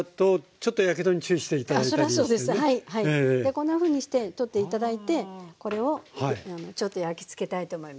こんなふうにして取って頂いてこれをちょっと焼きつけたいと思います。